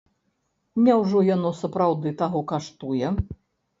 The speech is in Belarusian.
Няўжо яно сапраўды таго каштуе?